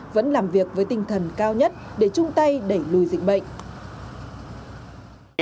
vẫn làm việc với tinh thần cao nhất để chung tay đẩy lùi dịch bệnh